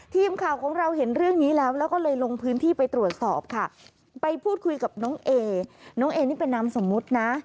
ทีมข่าวของเราเห็นเรื่องนี้แล้วแล้วก็เลยลงพื้นที่ไปตรวจสอบค่ะไปพูดคุยกับน้องเอน้องเอนี่เป็นนามสมมุตินะ